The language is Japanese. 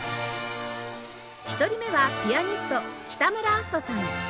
１人目はピアニスト北村明日人さん